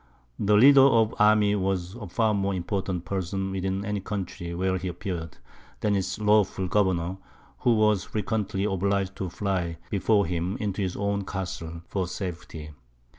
The leader of an army was a far more important person within any country where he appeared, than its lawful governor, who was frequently obliged to fly before him into his own castles for safety.